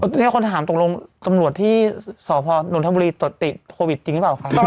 เนี่ยคนถามตรงรวมตำรวจที่สภหนุนธรรมบุรีติดโควิดจริงหรือเปล่าค่ะ